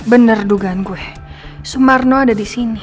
benar dugaan gue sumarno ada di sini